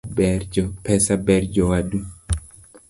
Pesa ber jowadu.